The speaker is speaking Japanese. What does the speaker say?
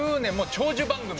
長寿番組。